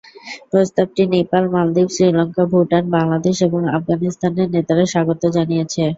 প্রস্তাবটি নেপাল, মালদ্বীপ, শ্রীলঙ্কা, ভুটান, বাংলাদেশ এবং আফগানিস্তানের নেতারা স্বাগত জানিয়েছে।